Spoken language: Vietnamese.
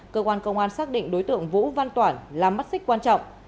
cơ quan công an xác định đối tượng vũ văn toản là mắt xích quan trọng